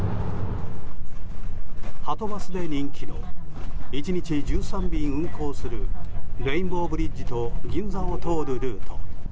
はとバスで人気の１日１３便運行するレインボーブリッジと銀座を通るルート。